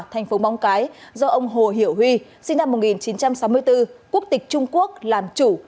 thành phố móng cái do ông hồ hiểu huy sinh năm một nghìn chín trăm sáu mươi bốn quốc tịch trung quốc làm chủ